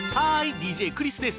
ＤＪクリスです。